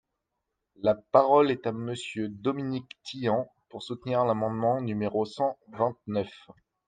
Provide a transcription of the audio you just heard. La parole est à Monsieur Dominique Tian, pour soutenir l’amendement numéro cent vingt-neuf.